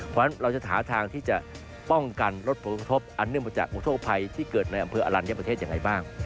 เพราะฉะนั้นเราจะหาทางที่จะป้องกันลดผลกระทบอันเนื่องมาจากอุทธกภัยที่เกิดในอำเภออลัญญประเทศยังไงบ้าง